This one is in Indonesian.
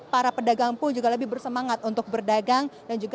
para pedagang pun juga lebih bersemangat untuk berdagang